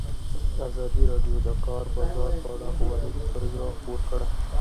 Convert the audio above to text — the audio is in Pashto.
ازادي راډیو د د کار بازار په اړه ښوونیز پروګرامونه خپاره کړي.